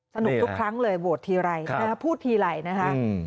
สนุกทุกครั้งเลยโหวตทีไรพูดทีไรนะคะ